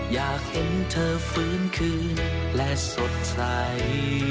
อยากเห็นเธอฟื้นคืนและสดใส